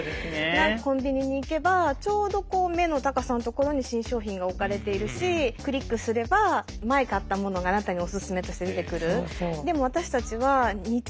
コンビニに行けばちょうど目の高さの所に新商品が置かれているしクリックすれば前買ったものがあなたにお薦めとして出てくる。